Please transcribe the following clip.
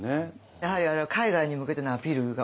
やはりあれは海外に向けてのアピールが多かったんですか？